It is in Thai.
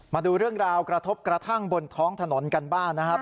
มาดูเรื่องราวกระทบกระทั่งบนท้องถนนกันบ้างนะครับ